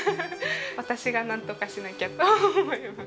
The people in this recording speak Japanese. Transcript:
私がなんとかしなきゃと思います。